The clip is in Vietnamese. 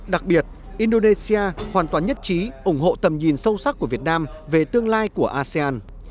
đặc biệt indonesia hoàn toàn nhất trí ủng hộ tầm nhìn sâu sắc của việt nam về tương lai của asean